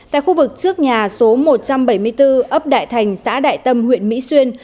tại khu vực trước nhà số một trăm bảy mươi bốn ấp đại thành xã đại tâm huyện mỹ xuyên